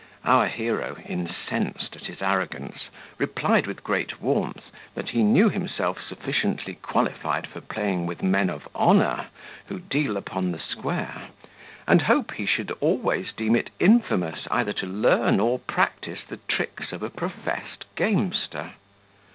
Our hero, incensed at his arrogance, replied with great warmth, that he knew himself sufficiently qualified for playing with men of honour, who deal upon the square, and hoped he should always deem it infamous either to learn or practise the tricks of a professed gamester.